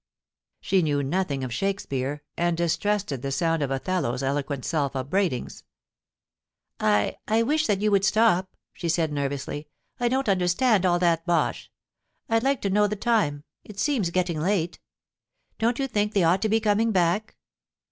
She knew nothing of Shakespeare, and distrusted the sound of Othello's eloquent self upbraidings. * I — I wish that you would stop,' she said nervously. * I don't understand all that bosh. I'd like to know the time ; it seems getting late. Don't you think they ought to be coming back